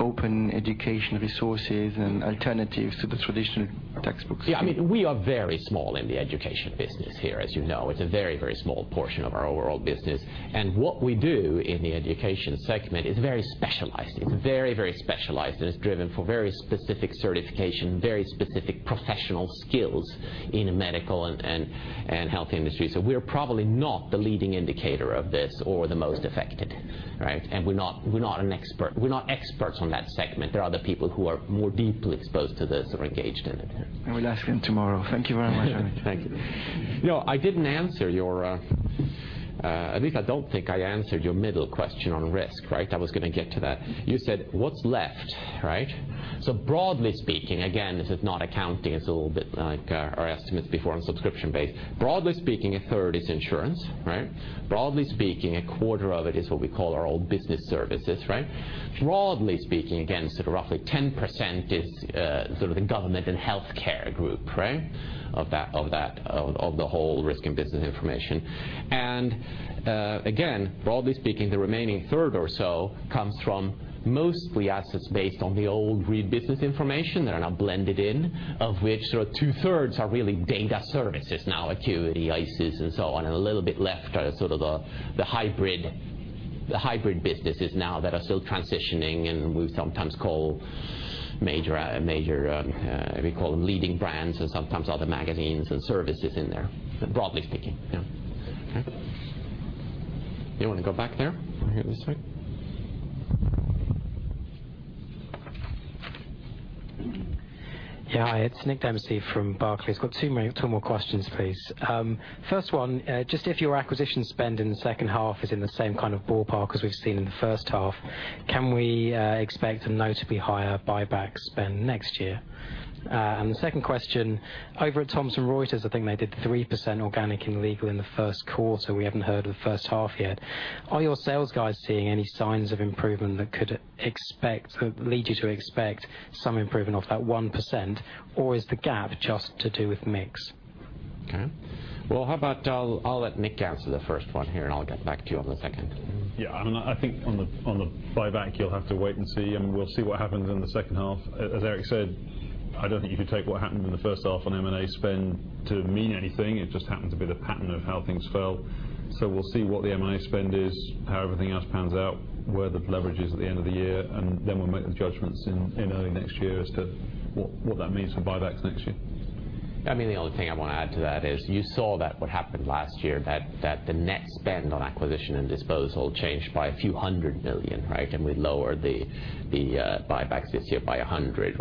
open education resources and alternatives to the traditional textbooks? Yeah, we are very small in the education business here, as you know. It's a very small portion of our overall business. What we do in the education segment is very specialized. It's very specialized, and it's driven for very specific certification, very specific professional skills in medical and health industries. We are probably not the leading indicator of this or the most affected. We're not experts on that segment. There are other people who are more deeply exposed to this or engaged in it. I will ask them tomorrow. Thank you very much, Erik. Thank you. I didn't answer your, at least I don't think I answered your middle question on risk. I was going to get to that. You said, "What's left?" Broadly speaking, again, this is not accounting, it's a little bit like our estimates before on subscription base. Broadly speaking, a third is insurance. Broadly speaking, a quarter of it is what we call our old business services. Broadly speaking, again, sort of roughly 10% is the government and healthcare group of the whole risk and business information. Again, broadly speaking, the remaining third or so comes from mostly assets based on the old Reed Business Information that are now blended in, of which two-thirds are really data services now, Accuity, ICIS, and so on, and a little bit left are the hybrid businesses now that are still transitioning, and we sometimes call them leading brands and sometimes other magazines and services in there, broadly speaking. Yeah. Okay. You want to go back there? Here, this way? Hi, it's Nick Dempsey from Barclays. Got two more questions, please. First one, just if your acquisition spend in the second half is in the same kind of ballpark as we've seen in the first half, can we expect a notably higher buyback spend next year? The second question, over at Thomson Reuters, I think they did 3% organic in Legal in the first quarter. We haven't heard of the first half yet. Are your sales guys seeing any signs of improvement that could lead you to expect some improvement off that 1%, or is the gap just to do with mix? Okay. Well, how about I'll let Nick answer the first one here, and I'll get back to you on the second one. I think on the buyback, you'll have to wait and see, and we'll see what happens in the second half. As Erik said, I don't think you can take what happened in the first half on M&A spend to mean anything. It just happened to be the pattern of how things fell. We'll see what the M&A spend is, how everything else pans out, where the leverage is at the end of the year, and then we'll make the judgments in early next year as to what that means for buybacks next year. The only thing I want to add to that is you saw that what happened last year, that the net spend on acquisition and disposal changed by a few hundred million GBP. We lowered the buybacks this year by 100.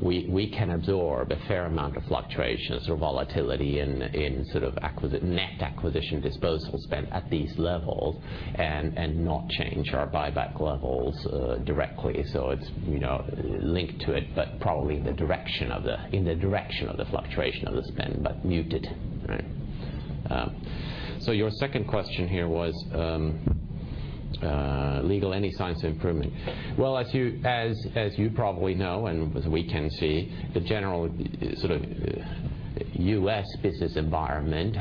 We can absorb a fair amount of fluctuation, sort of volatility in net acquisition disposal spend at these levels and not change our buyback levels directly. It's linked to it, but probably in the direction of the fluctuation of the spend, but muted. Your second question here was, Legal, any signs of improvement? Well, as you probably know, and as we can see, the general U.S. business environment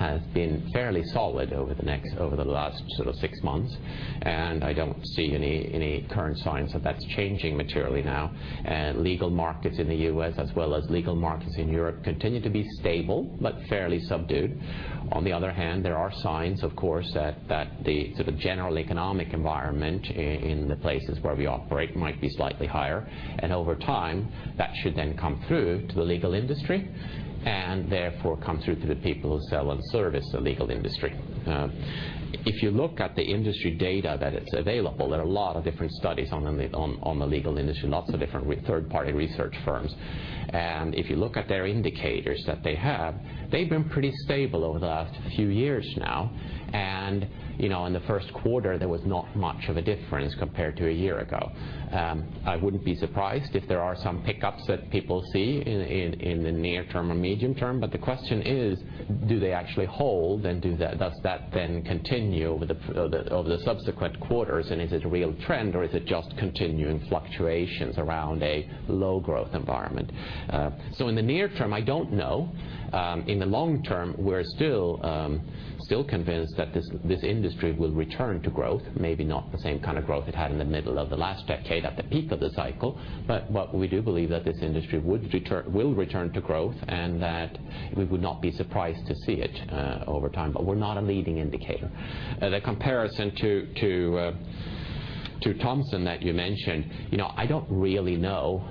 has been fairly solid over the last six months, and I don't see any current signs that that's changing materially now. Legal markets in the U.S. as well as legal markets in Europe continue to be stable but fairly subdued. On the other hand, there are signs, of course, that the general economic environment in the places where we operate might be slightly higher. Over time, that should then come through to the legal industry, therefore come through to the people who sell and service the legal industry. If you look at the industry data that is available, there are a lot of different studies on the legal industry, lots of different third-party research firms. If you look at their indicators that they have, they've been pretty stable over the last few years now. In the first quarter, there was not much of a difference compared to a year ago. I wouldn't be surprised if there are some pickups that people see in the near term or medium term. The question is: do they actually hold, and does that then continue over the subsequent quarters? Is it a real trend, or is it just continuing fluctuations around a low growth environment? In the near term, I don't know. In the long term, we're still convinced that this industry will return to growth, maybe not the same kind of growth it had in the middle of the last decade at the peak of the cycle. We do believe that this industry will return to growth and that we would not be surprised to see it over time, but we're not a leading indicator. The comparison to Thomson Reuters that you mentioned, I don't really know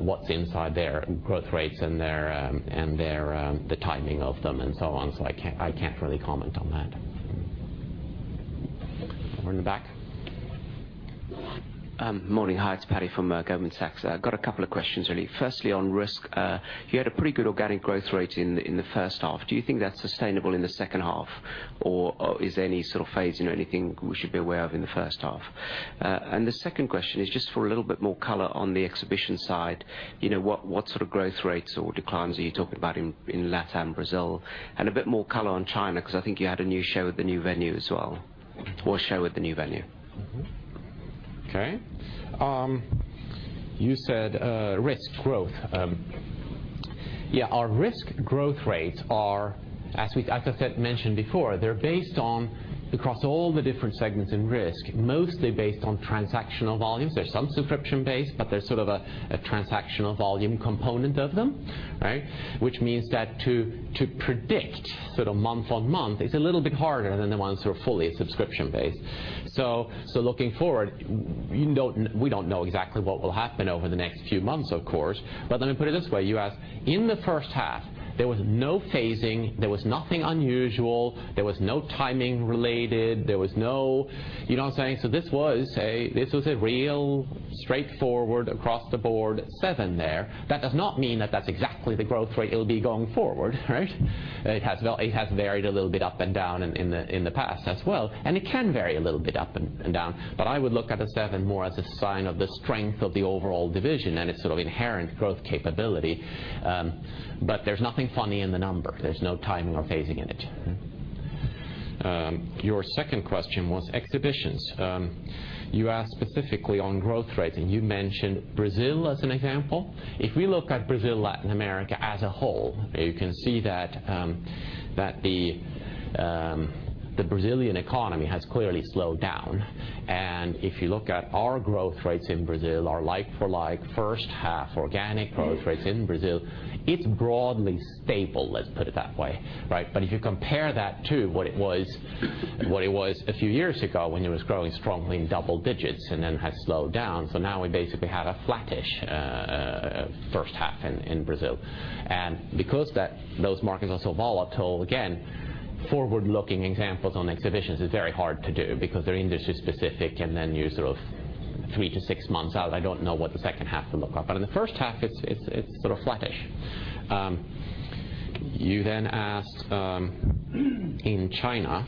what's inside their growth rates and the timing of them and so on. I can't really comment on that. Over in the back. Morning. Hi, it's Paddy from Goldman Sachs. I've got a couple of questions, really. Firstly, on Risk, you had a pretty good organic growth rate in the first half. Do you think that's sustainable in the second half, or is there any sort of phase, anything we should be aware of in the first half? The second question is just for a little bit more color on the Exhibition side. What sort of growth rates or declines are you talking about in LatAm, Brazil? A bit more color on China, because I think you had a new show at the new venue as well, or a show at the new venue. Okay. You said Risk growth. Yeah, our Risk growth rates are, as I mentioned before, they're based on, across all the different segments in Risk, mostly based on transactional volumes. There's some subscription base, but there's sort of a transactional volume component of them. Which means that to predict month-on-month, it's a little bit harder than the ones who are fully subscription based. Looking forward, we don't know exactly what will happen over the next few months, of course. Let me put it this way, you asked, in the first half, there was no phasing, there was nothing unusual, there was no timing related, there was no You know what I'm saying? This was a real straightforward across the board 7 there. That does not mean that that's exactly the growth rate it'll be going forward. It has varied a little bit up and down in the past as well, and it can vary a little bit up and down. I would look at a 7 more as a sign of the strength of the overall division and its inherent growth capability. There's nothing funny in the number. There's no timing or phasing in it. Your second question was Exhibitions. You asked specifically on growth rates, and you mentioned Brazil as an example. If we look at Brazil, Latin America as a whole, you can see that the Brazilian economy has clearly slowed down. If you look at our growth rates in Brazil, our like-for-like first half organic growth rates in Brazil, it's broadly stable, let's put it that way. If you compare that to what it was a few years ago when it was growing strongly in double digits and then has slowed down. Now we basically had a flattish first half in Brazil. Because those markets are so volatile, again, forward-looking examples on Exhibitions is very hard to do because they're industry specific and then you're 3 to 6 months out. I don't know what the second half will look like. In the first half, it's flattish. You then asked in China.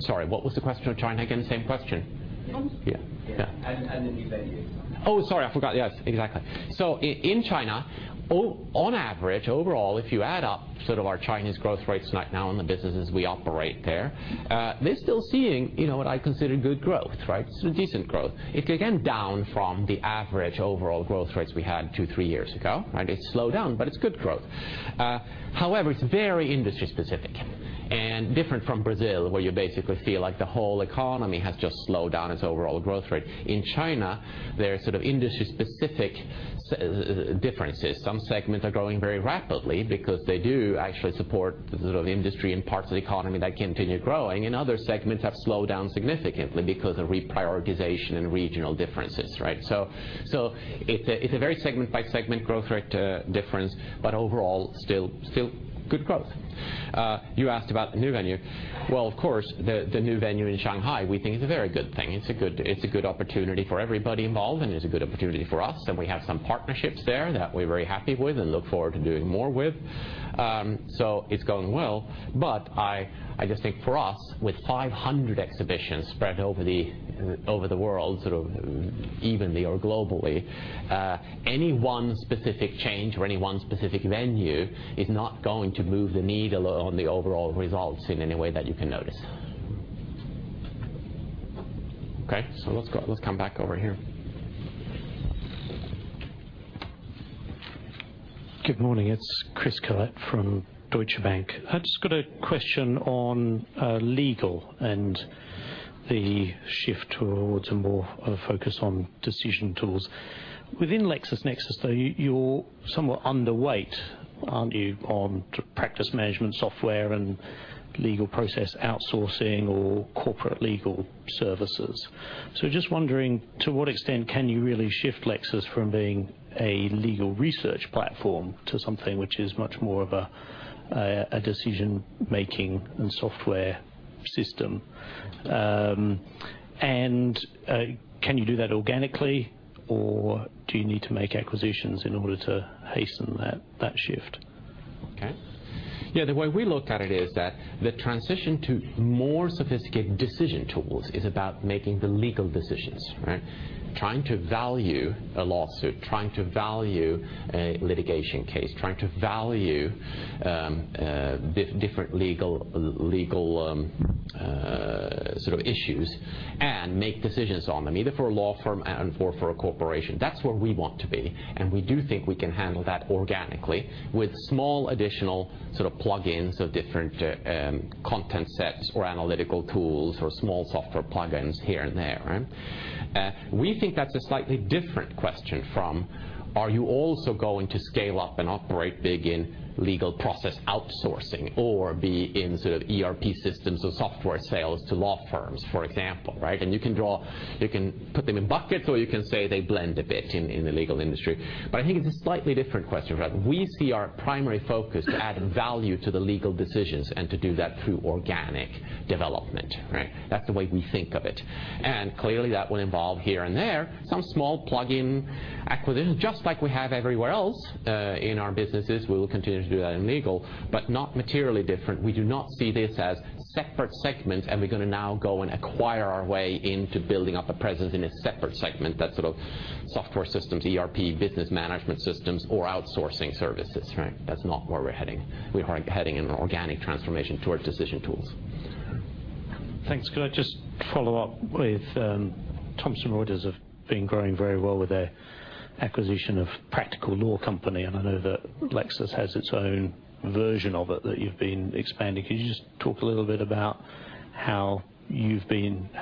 Sorry, what was the question on China again? Same question. The new venue. Oh, sorry. I forgot. Yes, exactly. In China, on average, overall, if you add up our Chinese growth rates right now in the businesses we operate there, they're still seeing what I consider good growth. Decent growth. It's again, down from the average overall growth rates we had two, three years ago. It's slowed down, but it's good growth. However, it's very industry specific and different from Brazil, where you basically feel like the whole economy has just slowed down its overall growth rate. In China, there are industry specific differences. Some segments are growing very rapidly because they do actually support the industry and parts of the economy that continue growing, and other segments have slowed down significantly because of reprioritization and regional differences. It's a very segment by segment growth rate difference, but overall, still good growth. You asked about the new venue. Well, of course, the new venue in Shanghai we think is a very good thing. It's a good opportunity for everybody involved, and it's a good opportunity for us, and we have some partnerships there that we're very happy with and look forward to doing more with. It's going well, but I just think for us, with 500 exhibitions spread over the world evenly or globally, any one specific change or any one specific venue is not going to move the needle on the overall results in any way that you can notice. Okay. Let's come back over here. Good morning. It's Chris Collett from Deutsche Bank. I've just got a question on legal and the shift towards a more focus on decision tools. Within LexisNexis, though, you're somewhat underweight, aren't you, on practice management software and legal process outsourcing or corporate legal services? Just wondering, to what extent can you really shift Lexis from being a legal research platform to something which is much more of a decision-making and software system? Can you do that organically, or do you need to make acquisitions in order to hasten that shift? Okay. Yeah, the way we look at it is that the transition to more sophisticated decision tools is about making the legal decisions. Trying to value a lawsuit. Trying to value a litigation case. Trying to value different legal issues and make decisions on them, either for a law firm and for a corporation. That's where we want to be, and we do think we can handle that organically with small additional plug-ins of different content sets or analytical tools or small software plug-ins here and there. We think that's a slightly different question from, are you also going to scale up and operate big in legal process outsourcing or be in ERP systems or software sales to law firms, for example. You can put them in buckets or you can say they blend a bit in the legal industry. I think it's a slightly different question. We see our primary focus to add value to the legal decisions and to do that through organic development. That's the way we think of it. Clearly, that will involve here and there some small plug-in acquisitions, just like we have everywhere else in our businesses. We will continue to do that in legal, but not materially different. We do not see this as separate segments and we're going to now go and acquire our way into building up a presence in a separate segment that sort of software systems, ERP, business management systems, or outsourcing services. That's not where we're heading. We are heading in an organic transformation towards decision tools. Thanks. Could I just follow up with Thomson Reuters have been growing very well with their acquisition of Practical Law Company, and I know that Lexis has its own version of it that you've been expanding. Could you just talk a little bit about how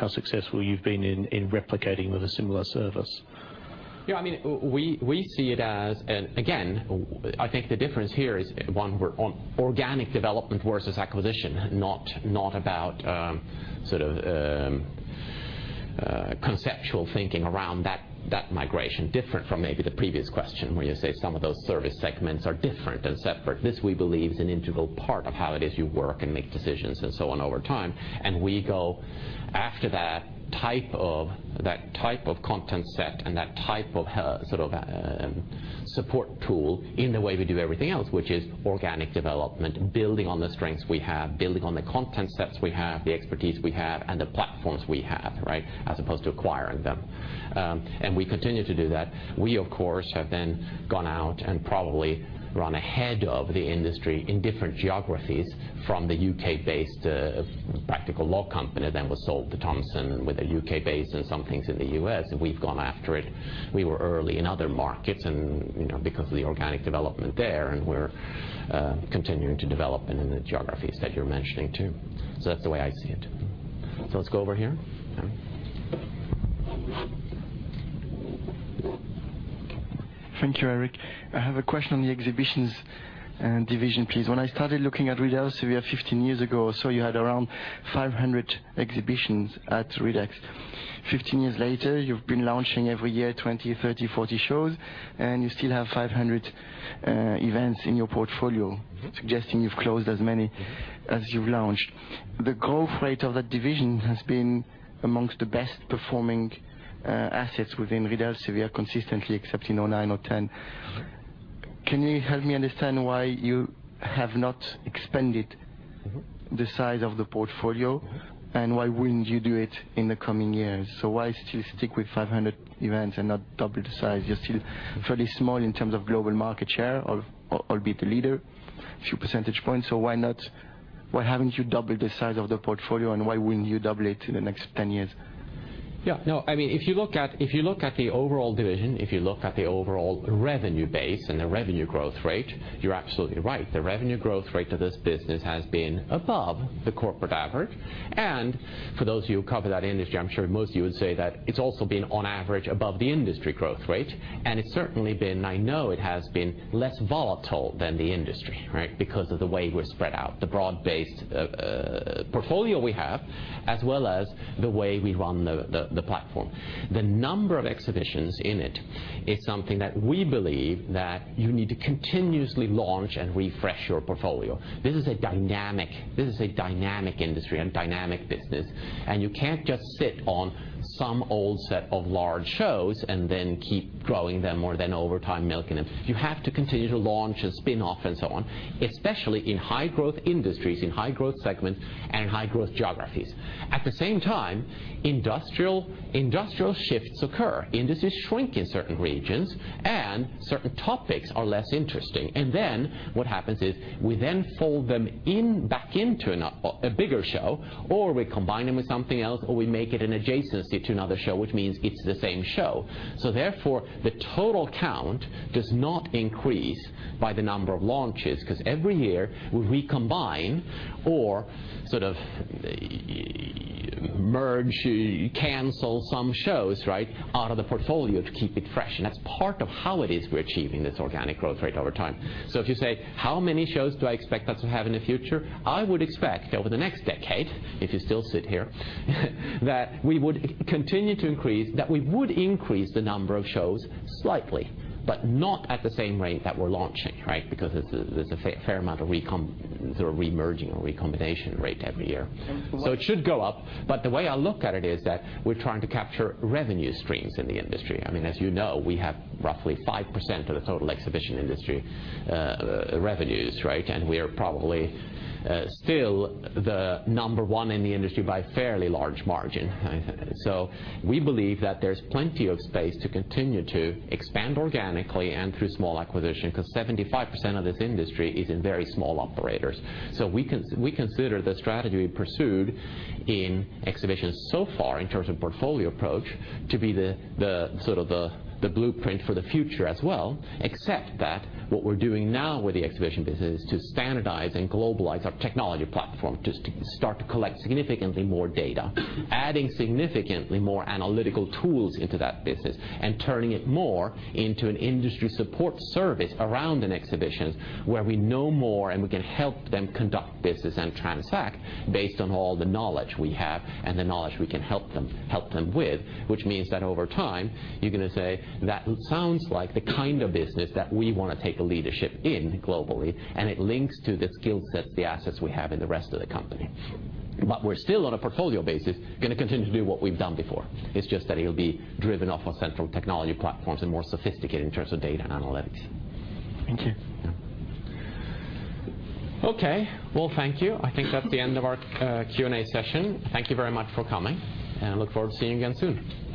successful you've been in replicating with a similar service? Yeah, we see it as, and again, I think the difference here is, one, we're on organic development versus acquisition, not about conceptual thinking around that migration, different from maybe the previous question where you say some of those service segments are different and separate. This we believe is an integral part of how it is you work and make decisions and so on over time. We go after that type of content set and that type of support tool in the way we do everything else, which is organic development, building on the strengths we have, building on the content sets we have, the expertise we have, and the platforms we have, as opposed to acquiring them. We continue to do that. We, of course, have then gone out and probably run ahead of the industry in different geographies from the U.K.-based Practical Law Company that was sold to Thomson, and with a U.K. base and some things in the U.S., we've gone after it. We were early in other markets because of the organic development there, and we're continuing to develop in the geographies that you're mentioning, too. That's the way I see it. Let's go over here. Thank you, Erik. I have a question on the Exhibitions division, please. When I started looking at Reed Elsevier 15 years ago or so, you had around 500 exhibitions at Reed Ex. 15 years later, you've been launching every year 20, 30, 40 shows, and you still have 500 events in your portfolio, suggesting you've closed as many as you've launched. The growth rate of that division has been amongst the best performing assets within Reed Elsevier consistently, except in 2009 or 2010. Can you help me understand why you have not expanded the size of the portfolio, and why wouldn't you do it in the coming years? Why still stick with 500 events and not double the size? You're still fairly small in terms of global market share, albeit the leader, few percentage points. Why haven't you doubled the size of the portfolio, and why wouldn't you double it in the next 10 years? Yeah. If you look at the overall division, if you look at the overall revenue base and the revenue growth rate, you're absolutely right. The revenue growth rate of this business has been above the corporate average. For those of you who cover that industry, I'm sure most of you would say that it's also been on average above the industry growth rate. It's certainly been, I know it has been less volatile than the industry because of the way we're spread out, the broad-based portfolio we have, as well as the way we run the platform. The number of exhibitions in it is something that we believe that you need to continuously launch and refresh your portfolio. This is a dynamic industry and dynamic business, you can't just sit on some old set of large shows and then keep growing them or then over time milking them. You have to continue to launch and spin-off and so on, especially in high growth industries, in high growth segments, and in high growth geographies. At the same time, industrial shifts occur. Industries shrink in certain regions, and certain topics are less interesting. What happens is we then fold them back into a bigger show, or we combine them with something else, or we make it an adjacency to another show, which means it's the same show. Therefore, the total count does not increase by the number of launches, because every year, we combine or sort of merge, cancel some shows out of the portfolio to keep it fresh. That's part of how it is we're achieving this organic growth rate over time. If you say, "How many shows do I expect us to have in the future?" I would expect over the next decade, if you still sit here, that we would increase the number of shows slightly, but not at the same rate that we're launching. There's a fair amount of re-merging or recombination rate every year. And for- It should go up, but the way I look at it is that we're trying to capture revenue streams in the industry. You know, we have roughly 5% of the total exhibition industry revenues. We are probably still the number one in the industry by a fairly large margin. We believe that there's plenty of space to continue to expand organically and through small acquisition, because 75% of this industry is in very small operators. We consider the strategy we pursued in exhibitions so far, in terms of portfolio approach, to be the blueprint for the future as well. Except that what we're doing now with the exhibition business to standardize and globalize our technology platform, to start to collect significantly more data, adding significantly more analytical tools into that business and turning it more into an industry support service around an exhibition where we know more and we can help them conduct business and transact based on all the knowledge we have and the knowledge we can help them with. Which means that over time, you're going to say, "That sounds like the kind of business that we want to take a leadership in globally," and it links to the skill sets, the assets we have in the rest of the company. We're still, on a portfolio basis, going to continue to do what we've done before. It's just that it'll be driven off of central technology platforms and more sophisticated in terms of data and analytics. Thank you. Yeah. Okay, well, thank you. I think that's the end of our Q&A session. Thank you very much for coming, and I look forward to seeing you again soon.